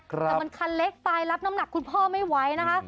แต่มันคันเล็กไปรับน้ำหนักคุณพ่อไม่ไหวนะคะ